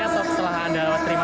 atau setelah ada terima programnya